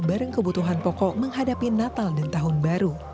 barang kebutuhan pokok menghadapi natal dan tahun baru